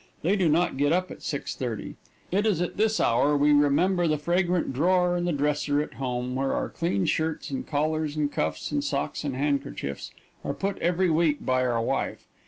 They do not get up at 6:30. It is at this hour we remember the fragrant drawer in the dresser at home where our clean shirts, and collars and cuffs, and socks and handkerchiefs, are put every week by our wife.